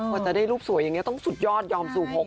ว่าจะได้รูปสวยอย่างนี้ต้องสุดยอดยอมสู่๖